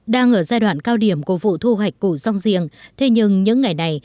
đang ở giai đoạn cao điểm của vụ thu hoạch của rong riêng thế nhưng những ngày này